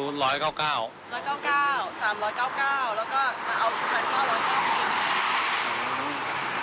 สามร้อยเก้าเก้าแล้วก็มาเอาสามร้อยเก้าสามร้อยเก้า